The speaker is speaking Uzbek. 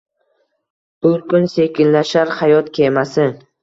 Bir kun sekinlashar xayot kemasi